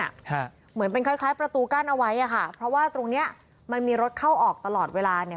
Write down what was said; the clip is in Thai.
ค่ะเหมือนเป็นคล้ายคล้ายประตูกั้นเอาไว้อ่ะค่ะเพราะว่าตรงเนี้ยมันมีรถเข้าออกตลอดเวลาเนี้ย